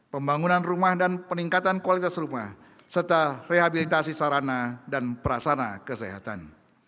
pembangunan rumah dan peningkatan kualitas rumah serta rehabilitasi sarana dan prasana kesehatan